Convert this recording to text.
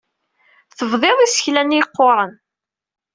Tebbid isekla-nni yeqquren.